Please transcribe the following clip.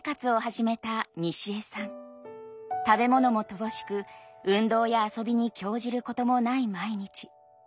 食べ物も乏しく運動や遊びに興じることもない毎日。